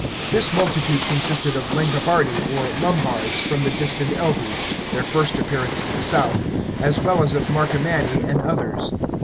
This multitude consisted of Lamrobardi, or Lombards, from the distant Elbe — their first appear ance in the south — as well as of Marcomanni and others.